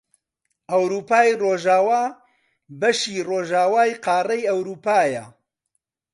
ئەوروپای ڕۆژئاوا بەشی ڕۆژئاوای قاڕەی ئەوروپایە